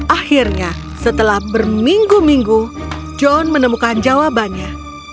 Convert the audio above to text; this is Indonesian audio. akhirnya setelah berminggu minggu john menemukan jawabannya